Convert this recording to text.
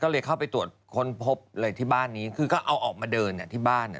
ก็เลยเข้าไปตรวจค้นพบเลยที่บ้านนี้คือก็เอาออกมาเดินอ่ะที่บ้านอ่ะ